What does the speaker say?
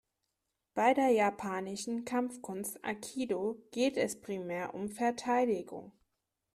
Bei der japanischen Kampfkunst Aikido geht es primär um Verteidigung.